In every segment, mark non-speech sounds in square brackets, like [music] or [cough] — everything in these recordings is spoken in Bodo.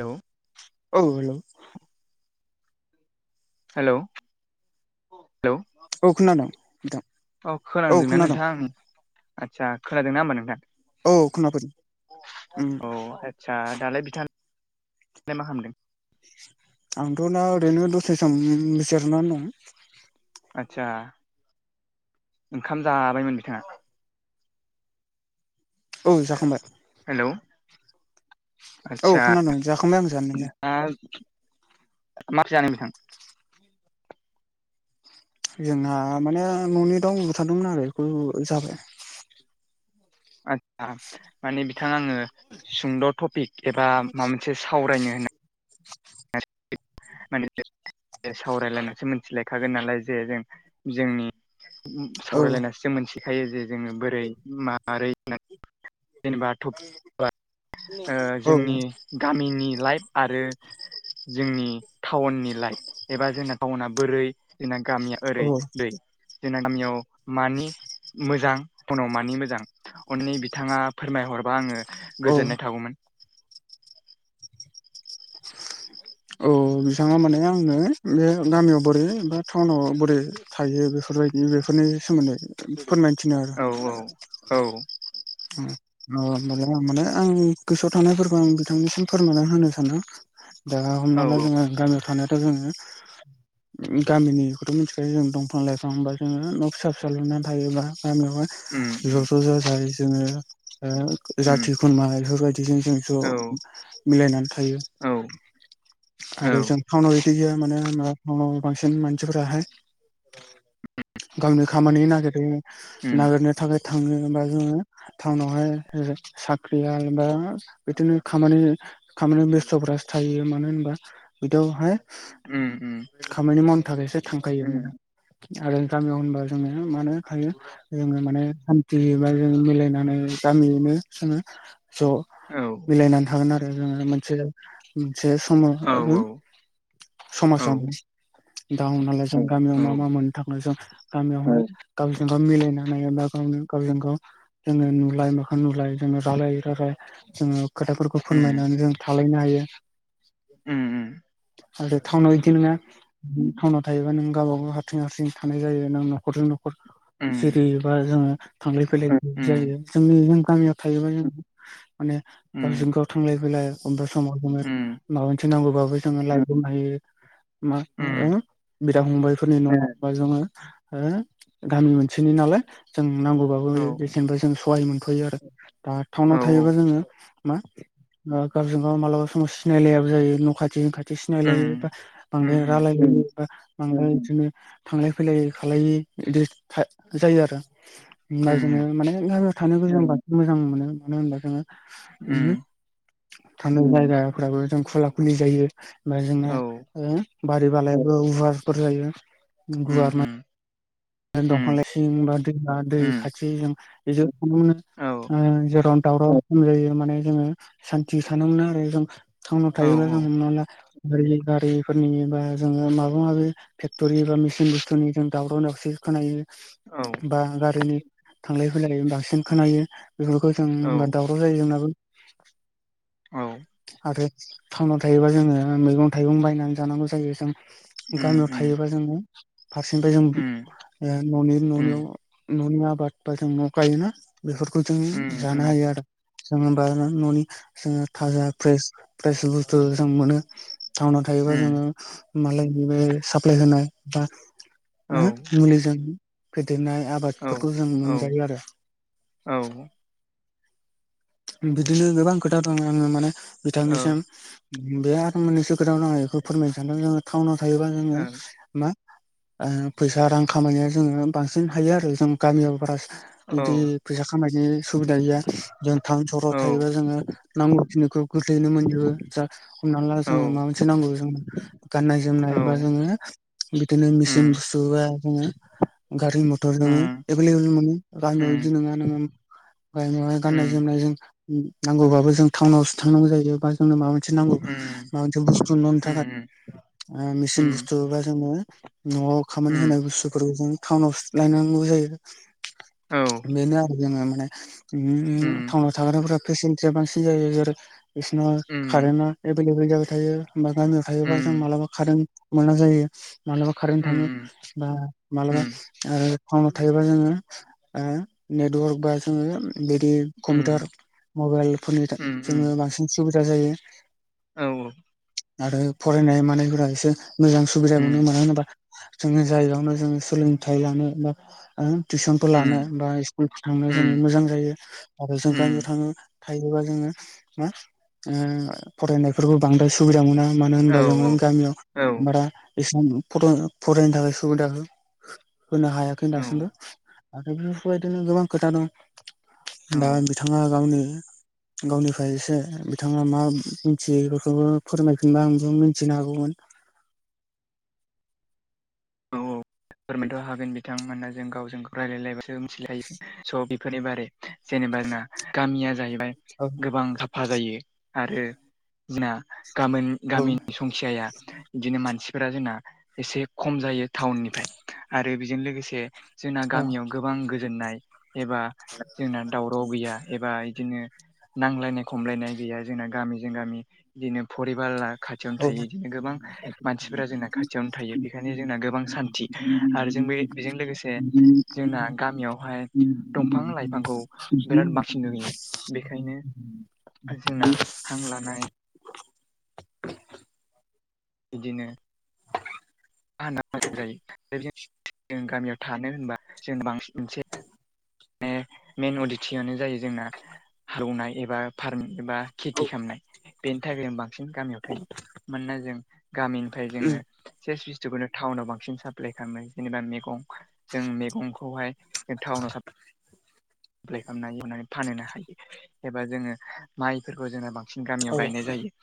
हेल' औ हेल हेल' औ खोनादों नोंथां औ खोनादोंना नोंथां आदसा खोनादोंना होमबा नोंथां औ खोनाफैदों उम औ आस्सा दालाय बिथाङालाय मा खालामदों आंथ' दा ओरैनो दसे सम जिरायनानै दं आचसा ओंखाम जाबायमोन बिथाङा औ जाखांबाय हेल' औ खोनादोंं जाखांबाय आं जानायालाय मा मा ओंख्रि जानाय नोंथां जोंहा माने न'नि दाउ बुथारदोंमोन आरो बेखौ जाबाय आदसा माने बिथाङा आङो सुंद' टपिक एबा माबा मोनसे सावरायनो होन [unintelligible] माने सावरायलायनानैसो मिथिलाय थागोन नालाय जे जोंनि औ सावरायलायनासो जों मोनथिखायो जे जोङो बोरै माबोरै होन जेनेबा [unintelligible] [inaudible] ओ औ जोंनि गामिनि लाइफ आरो जोंनि टाउननि लाइट एबा जोंना टाउना बोरै जोंना गामिया औ ओरै दै जोंना गामियाव मानि मोजां टाउनाव मानि मोजां अननि बिथाङा फोरमायहरबा आङो औ गोजोननाय थागौमोन औ बिथाङा माने आंनो बे गामियाव बोरै बा टाउनाव बोरै थायो बेफोरबायदि बेफोरनि सोमोन्दै फोरमायथिनो आरो औ औ ओ माबेबा मानो आं गोसोआव थानायफोरखौ आं बिथांनिसिम फोरमायना होनो सानो। दा औ हमना ला औ जोङो गामियाव थानायाथ' जोङो [inaudible] गामिनिखौथ' मिथिखायो जों दंफां लाइफांबा जोङो न' फिसा फिसा लुनानै थायोबा उम गामियावहाय उम ज' ज' जाजाय जोङो ओ उम जाथि खुरमा इफोरबायदिजों जों औ ज' मिलायनानै थायो। औ औ आरो जों टानाव इदि गैया मानो होनोब्ला टाउनाव बांसिन मानसिफोराहाय गावनि खामानि नागिरै उम नागिरनो थाखाय थाङो बा जोङो टाउनावहाय साख्रिया बा बिदिनो खामानि खामानि बेस्थ'फोरासो थायो मानो होनबा बिदियावहाय उम उम खामानि मावनो थाखायसो थांखायोङो जोङो आरो गामियाव होनबा जोङो मानो थायो जोङो माने सान्थियो बा जों मिलायनानै गामियैनो जोङो ज' औ मिलायनानै थागोन आरो जोङो मोनसे मोनसे समाव औ औ समाजावनो दा हमना ला जों गामियाव औ मा मा मोननो थांनाय जों गामियाव गावजों गाव मिलायनानै एबा गावनो गावजों गाव जोङो नुलाय मोखां नुलाय जोङो रायलाय रायलाय जोङो खोथाफोरखौ उम फोरमायनानै जों थालायनो हायो। उम आरो टाउनाव इदि नङा टाउनाव थायोबा नों गावबा गाव हारसिं हारसिं थानाय जायो नों नखरजों न' उम सिरि बा जोङो थांलाय फैलाय बांसिन उम जायो जोंनि जों गामियाव थायोबा जों माने उम गावजों गाव थांलाय फैलाय अबेबा समाव जोङो उम माबा मोनसे नांगौबाबो जोङो लाइब्रबनो हायो मा उम बिदा फंबायफोरनि न'वाव बा जोङो हो गामि मोनसेनि नालाय जों नांगौबाबो औ बेसेनिफ्राय जों सहाय मोनथ'यो आरो दा टाउनाव औ औ थायोबा जोङो मा ओ गावजों गाव मालाबा समाव सि नायलायाबो जायो न' खाथिनि खाथि उम सिनायलायो बा बांद्राय उम रायलायलाया [unintelligible] बांद्राय बिदिनो थांलाय फैलाय खालायि इदि जायो आरो। उम ओमबाय जोङो माने गामियाव थानो मोजां होनबा मोजां मोनो मानो होनबा जोङो उम थानोबो जायगा फोराबो जों खुला खुलि जायो बा जोंना औ ओ बारि बालायबो गुवारफोर जायो उम गुवार मा उम दंफां उम लाइसिं बा दैमा दै उम खाथि जों बेजों नुनो मोनो औ ओ जेराव दावराव खम जायो माने जोङो सान्थि थानो मोनो आरो जों टावनाव औ थायोबा जों नुनो गारि गारिफोरनि बा जोङो माबा माबि फेक्ट'रि बा मेचिन बुस्थुनि जों दावराव दावसि औ खोनायो बा गारिनि थांलाय फैलाय बांसिन खोनायो बेफोरखौ जों औ होमबा दावराव जायो जोंनाबो। औ आरो टाउनाव थायोबा जोङो मैगं थाइगं बायनानै जानांगौ जायो जों उम गामियाव उम थायोबा जोङो फारसेनिफ्राय उम जों ओ न'नि उम न'नियाव न'नि आबाद बा जों न' गायोना बेफोरखौ जों उम जानो उम हायो आरो। जोङो बा न'नि जोङो थाजा फ्रेस फ्रेस बुस्थु जों मोनो। टाउनाव थायोबा उम जोङो मालायनि बे साप्लाय होनाय बा औ जों फेदेरनाय औ आबादफोरखौ जों औ मोनजायो आरो। औ। बिदिनो गोबां खोथा दं आङो माने ओं बिथांनिसिम। बे आरो मोननैसो खोथाखौनो आं बेखौ फोरमायनो सानदों जोङो टाउनाव थायोबा औ जोङो मा फैसा रां खामायनाया जोङो बांसिन हायो आरो जों गामियाव बारा बिदि फैसा खामनायनि सुबिदा गैया। जों टाउन सहराव थायोबा जोङो नांगौखिनिखौ गोरलैयैनो मोनजोबो जा हमनानै ला औ जोंनो माबा मोनसे नांगौ जों गाननाय औ जोमनाय बा जोङो बिदिनो मेसिन उम बुस्थु बा जोङो गारि मथर नोङो उम एभेलेबल मोनो गामियाव बिदि उम नङा नामा गामियावहाय। गाननाय उम जोमनाय जों नांगौबाब जों टाउनावसो थांनांगौ जायो बा जोंनो माबा मोनसे नांगौ। उम माबा मोनसे बुस्थु नुनो उम थाखाय मेचिन उम बुस्थुबा जोङो न'आव खामानि उम होनाय बुस्थुफोरखौ जों टाउनाव लायनांगौ जायो। औ बेनो आरो जोङो माने उम टाउनाव थाग्राफोरा फेसिलिटिया बांसिन जायो जेरै- खायसेनि मा उम कारेन्टआ एभलेबल जाबाय थायोा गामियाव थायोबा जों उम मालाबा कारेन्ट मोना जायो मानोबा। कारेन्ट थाङो उम बा मालाबा आरो फाउनाव थायोबा जोङो। नेटवर्क बा जोङो बे उम कम्पिउटार मबाइलफोरनि उम उम जोङो बांसिन सुबिदा जायो। औ औ। आरो फरायनाय मानायफोरा एसे मोजां सुबिदा मोनो उम मानो होनोबा। जोङो जायगायावनो जोङो सोलोंथाइ लानो बा टिउसनखौ लानो उम बा उथ्रिनो खांनो जोङो उम मोजां जायो आरो जों उम गामियाव थाङो थायोबा जोङो मा फरायनायफोरखौ बांद्राय सुबिदा मोना मानो औ होनबा जोङो गामियाव औ बारा एसेबां फरायनो फरायनो थाखाय सुबिदा हो होनो हायाखै औ दासिमबो आरो बेफोरबायदिनो गोबां खोथा दं। औ दा बिथाङा गावनि गावनिफ्राय एसे बिथाङा मा मिथियो बेफोरखौबो फोरमायफिनबा आंबो मिथिनो हागौमोन। फोरमायथ' हागोन बिथांमोना जों गावजों गाव रायलायलायबासो मिथिलायो स' बेफोरनि बारै जेनेबा जोंना गामिया जाहैबाय औ गोबां फाजायो आरो जोंना गामोन औ गामिनि सु संखियाया बिदिनो मानसिफोरा जोंना एसे खम जायो टाउननिफ्राय आरो बेजों लोगोसे जोंना औ गामियाव गोबां गोजोननाय एबा जोंना दावराव गैया एबा बिदिनो नांजलायनाय खमलायनाय गैया जोंना गामिजों गामि बिदिनो फरिबारला खाथियावनो औ थायो बिदिनो गोबां मानसिफोरा जोंना खाथियावनो थायो बेनिखायनो जोंना गोबां सान्थि आरो जों बे बेजों लोगोसे जोंना गामियावहाय दंफां लाइफांखौ बिराद बाखि नुयो बेखायनो जोंना [unintelligible] हां लानाय बिदिनो फा मोजां जायो जों गामियाव थानो होनबा जों बांसिनसो [unintelligible] माने मेइेन अदिथियनो जायो जोंना हालेवनाय एबा फार्म एबा खेथि खालामनाय बेनि थाखाय ज बांसिन गामियाव थायो मानोना जों गामिनि जोङो सेस [unintelligible] जिखुनु टाउनाव बांसिन साप्लइ खालामनाय जेनेबा मैगं जों मैगंखौहाय टाउनाव सा यप्लाय खालामनानैवनानै फानहोनो हायो एबा जोङो माइफोरखौ जोंना बां बांसिन औ गामियाव गायनाय जायो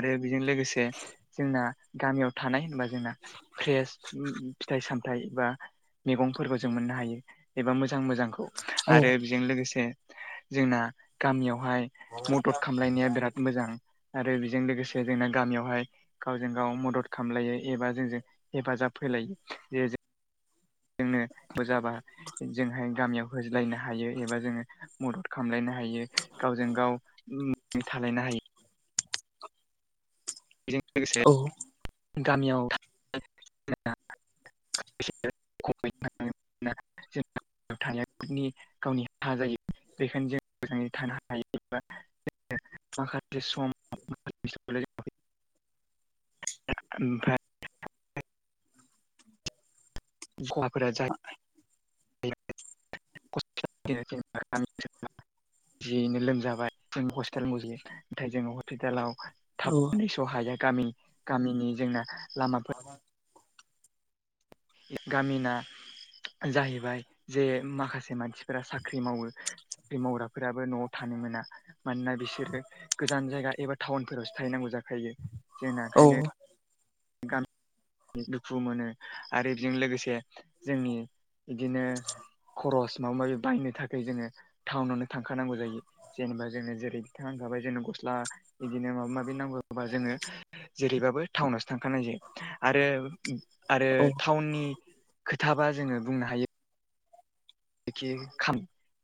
आरो बेजों लोगोसे जोंना गामियाव थानाय होनोबा जोंना फ्रेस फिथाइ साम थाइ बा मैगंफोरखौ जों मोननो हाय एबा मोजां मोजांखौ औ आरो बि जों लोगोसे जोंना गामियावहाय मदद खालामामलायनाया बिराद मोजां आरो बेजों लोगोसे जोंना गामियावहाय गावजों गाव मदद खालामलायो एबा जोंजों हेफाजाब होलायो जे जों जोंनो जाबा जोंहाय गामियाव होजो लायनो हायो एबा जोङो मदद खालामलायनो हायो गावजों गाव अनलायनानै थालायनो हायो बेजों लोगोसे औ गामियाव [unintelligible] [unintelligible] थानायफोरनि गावनि हा जायो बेखायनो जों मोजाङै थानो हायो एबा [unintelligible] माखासे सम [unintelligible] ओमफ्राय [unintelligible] [inaudible] [unintelligible] जियैनो लोमजाबाय जों हस्पिटाल मजि नाथाय जोङो हस्पिटालाव थाब फैस' हाया गामि गामिनि जोंना लामाफोर [inaudible] गामिना जाहैबाय जे माखासे मानसिफोरा साख्रि मावो साख्रि मावग्राफोराबो न'आव थानो मोना मानोना बिसोरो गोजान जायगा एबा टाउनफोरावसो थाहैनांगौ जाखायो जोंना औ ओंखायनो गामि दुखु मोनो आरो बेजों लोगोसे जोंनि बिदिनो खरस माबा माबि बायनो थाखाय जोङो टाउनावनो थांखानांगौ जायो जेनेबा जोङनो जेरै दिथाांखाबाय जोंनो गस्ला बिदिनो माबा माबि नांगौबा जोङो जेरैबाबो थाउना थांखानाय जायो आरो आरो औ टाउननि खोथाबा जोङो बुंनो हायो जायनाखि खाम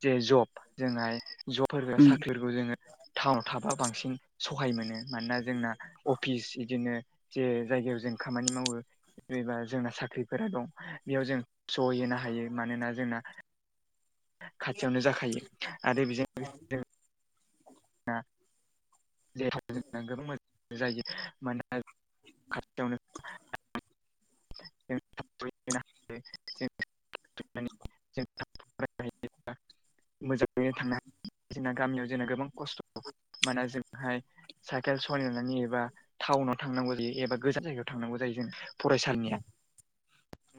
जे जब जोंहाय जब उम साख्रि खौ जोङो टाउनाव थाबा बांसिन सहाय मोनो मानोना जोंना अफिस बिदिनो जे जायगायाव जों खामानि मावो जेनेबा जोंना साख्रिफोरा दं बेयाव जों सहैनो हायो मानोना जोंना खाथियावनो जाखायो आरो बेजों औ आ देहा जों गोबां मोजां जायो मानोना खाथियावनो [unintelligible] [unintelligible] [unintelligible] मोजाङैनो थांनो हायो जोंना गामियाव जोंना गोबां खस्थ' मानोना जों हाय साइकेल सलायनानै एबा टाउनाव थांनांगौ जायो एबा गोजान जायगायाव थांनांगौ जायो जों फरायसालिनिया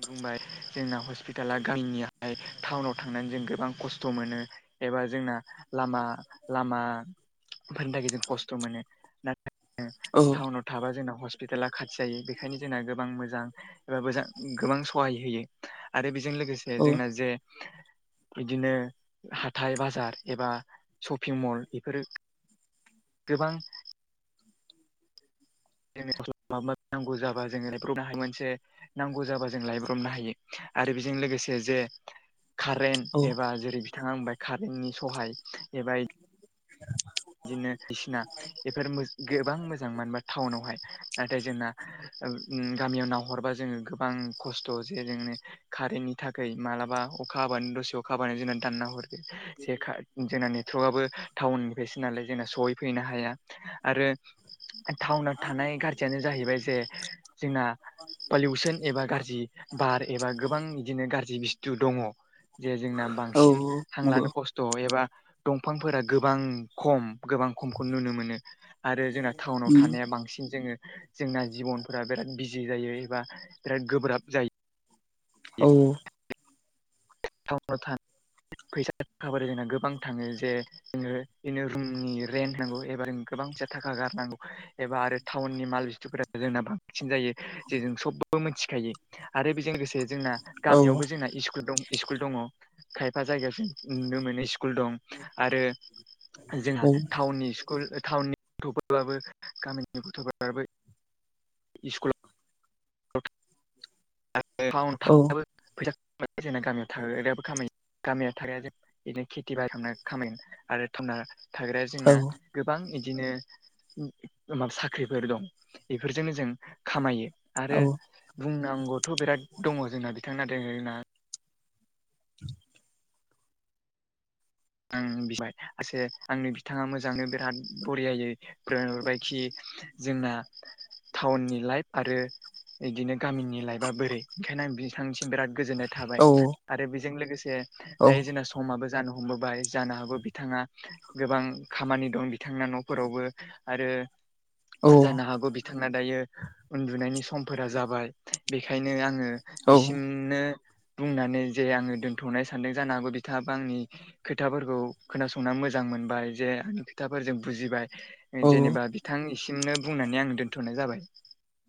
बुंबाय जोंना हस्पिटाला गामिनिहाय टाउनाव थांनानै जों गोबां खस्थ' मोनो एबा जोंना लामा लामाफोरनि थाखाय जों खस्थ' मोनो नाथाय औ टाउनाव थाबा जोंना हस्पिटाला खाथि जायो बेनिखायनो जोंना गोबां मोजां एबा मोजां गोबां सहाय होयो आरो बेजों लोगोसे औ जोंना जे बिदिनो हाथाय बाजार एबा शपिं मल बेफोरो गोबां जेनेबा माबा माबि नांगौ जाबा जोङोहाय मोनसे नांगौ जाबा जों लायब्रबनो हायो आरो बेजों लोगोसे जे औ खारेन्ट एबा जेरै बिथाङा बुंबाय खारेन्टनि सहाय एबा [unintelligible] बिदिनो बायदिसिना बेफोर गोबां मोजां मानो होनबा टाउनावहाय नाथाय जोंना ओ ओ गामियाव नाहरबा जोङो गोबां खस्थ' जे जोंनो खारेेनटनि थाखाय मालाबा अखा हाबानो दसे अखा हाबानो जोंना दानना हरो जेखा जोंना नेथ'बाबो टाउननि बेसो नालाय जोंना सहै फैनो हाया आरो टाउनाव थानाय गार जियानो जाहैबाय जे जोंना पलिउसन एबा गारजि बार एबा गोबां बिदिनो गारजि बुस्थु दङ। जे जोंना औ बांसिन नंगौ हांलानो खस्थ' एबा दंफांफोरा गोबां खम गोबां खमखौ नुनो मोनो आरो जोंना टाउनाव उम थानाया बांसिन जोङो जोंना जिबनफोरा बिराद बिजि जायो एबा बिराद गोब्राब जायो। औ टाउनाव थानाय [unintelligible] फैसा थाखाब जोंना गोबां थाङो जे नोङो इनो रुमनि रेन्ट होनांगौ एबा जों गोबां फैसा थाखा गारनांगौ। एबा आरो टाउननि माल बुस्थुफोरा जोंना बांसिन जायो। जे जों सबबो मोथिखायो आरो बेजों लोगोसे जोंना औ गामियावबो जोंना इस्कुल दं। इस्कुल दङ खायफा जायगायाव जों नुनो मोनो स्कुल दं आरो जोंहा औ टाउननि इस्कुल टाउननि गथ'फोरबाबो गामिनि गथ'फोराबो इस्कुल [unintelligible] औ [unintelligible] फैसा जा गामियाव थाग्रायाबो खामायो गामिया थाग्राया जों बिदिनो खेथि बा खामायगोन आरो थावना थाग्राया जोंना गोबां इदिनो गोबां साख्रिफोर दं बेफोरजोंनो जों खामायो। आरो औ बुंनांगौथ' बिराद दङ जोंना बिथांना दोङो ना। आं बिबाय आसे आंनि बिथाङा मोजांनो बिराद बरियायै फोरमाय हरबायखि जोंना टाउननि लाइफ आरो। बिदिनो गामिनि लाइफआ बोरै ओंखायनो बिथांनिसिम बिराद गोजोननाय थाबाय आरो बेजों लोगोसे दायो जोंना समाबो जानो हम बोबाय जानो हागौ बिथाङा गोबां खामानि दं बिथांना न'फोरावबो आरो जानो हागौ बि थां दायो उन्दुनायनि समफोरा जाबाय बेखायनो आङो औ बिसिनो बुंनानै जे आङो दोनथ'नाय सानदों जानो हागौ बिथाङाबो आंनि खोथाफोरखौ खोनासंनानै मोजां मोनबाय जे खोथाफोरजों औ बुजिबाय। जेनेबा बिथांनिसिमनो बुंनानै आं दोन्थ'नाय जाबाय।